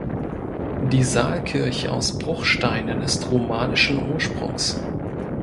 Die Saalkirche aus Bruchsteinen ist romanischen Ursprungs.